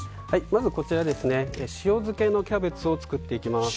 まず、塩漬けのキャベツを作っていきます。